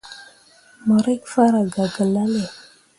Mo rǝkki farah gah gelale.